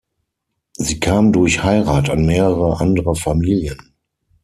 Sie kam durch Heirat an mehrere andere Familien.